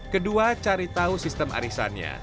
kedua cari tahu sistem arisannya